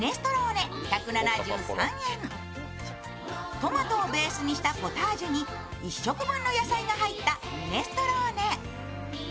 トマトをベースにしたポタージュに１食分の野菜が入ったミネストローネ。